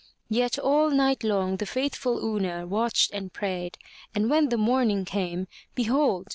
Yet all night long the faithful Una watched and prayed, and when the morning came, behold!